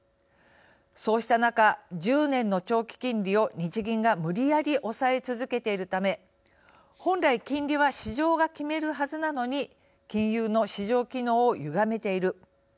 そうした中、１０年の長期金利を日銀が無理やり抑え続けているため本来金利は市場が決めるはずなのに金融の市場機能をゆがめている。